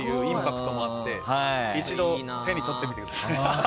一度手に取ってみてください。